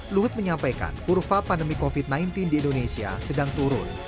luhut menyampaikan kurva pandemi covid sembilan belas di indonesia sedang turun